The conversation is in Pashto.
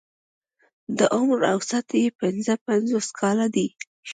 د عمر اوسط يې پنځه پنځوس کاله دی.